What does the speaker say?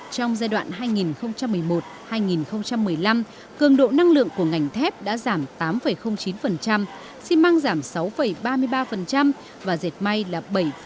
trong giai đoạn hai nghìn một mươi một hai nghìn một mươi năm cường độ năng lượng của ngành thép đã giảm tám chín xi măng giảm sáu ba mươi ba và dệt may là bảy tám